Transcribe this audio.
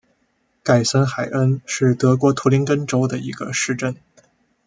盖森海恩是德国图林根州的一个市镇。